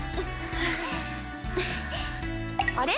あれ？